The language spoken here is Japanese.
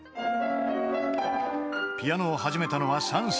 ［ピアノを始めたのは３歳］